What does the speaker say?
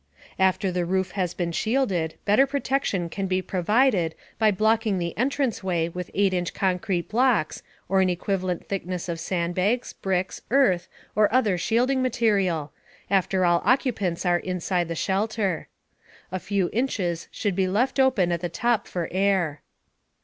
After the roof has been shielded, better protection can be provided by blocking the entrance way with 8 inch concrete blocks or an equivalent thickness of sandbags, bricks, earth or other shielding material, after all occupants are inside the shelter. A few inches should be left open at the top for air.